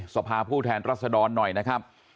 สภาผู้แทนรัศดรหน่อยนะครับ